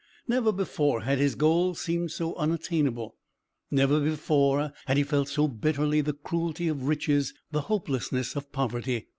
Never before had his goal seemed so unattainable; never before had he felt so bitterly the cruelty of riches, the hopelessness of poverty.